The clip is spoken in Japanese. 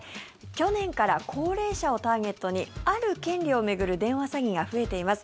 去年から、高齢者をターゲットにある権利を巡る電話詐欺が増えています。